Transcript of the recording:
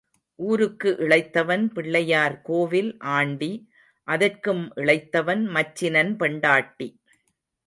ஊருக்கு இளைத்தவன் பிள்ளையார் கோவில் ஆண்டி அதற்கும் இளைத்தவன் மச்சினன் பெண்டாட்டி.